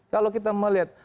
kalau kita melihat